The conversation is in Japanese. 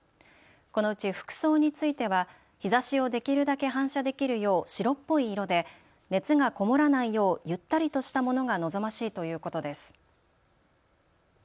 このうち服装については日ざしをできるだけ反射できるよう白っぽい色で熱がこもらないようゆったりとしたものが望ましいということです。